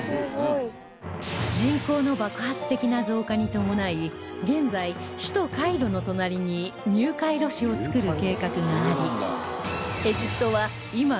人口の爆発的な増加に伴い現在首都カイロの隣にニューカイロ市を作る計画があり